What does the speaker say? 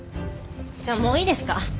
じゃあもういいですか？